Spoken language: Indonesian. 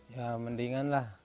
ya mendingan lah